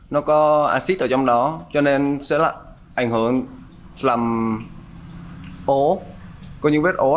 nó có axit ở trong đó cho nên sẽ là ảnh hưởng làm ố có những vết ố ở sách đó